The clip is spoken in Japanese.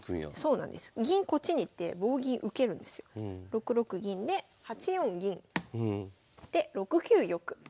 ６六銀で８四銀。で６九玉。